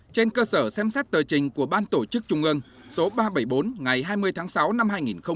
trên cơ sở xem xét tờ trình của ban tổ chức trung ương số ba trăm bảy mươi bốn ngày hai mươi tháng sáu năm hai nghìn một mươi chín